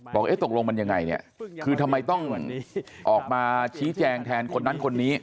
ตกลงมันยังไงเนี่ยคือทำไมต้องออกมาชี้แจงแทนคนนั้นคนนี้